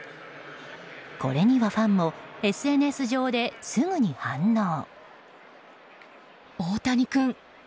これにはファンもＳＮＳ上ですぐに反応。